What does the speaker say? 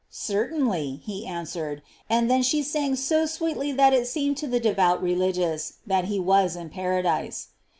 "Certainly," he answered, and then she sang so •weetly that it seemed to the devout religious that he was in paradise.